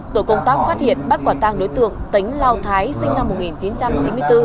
tổ công tác phát hiện bắt quả tang đối tượng tính lao thái sinh năm một nghìn chín trăm chín mươi bốn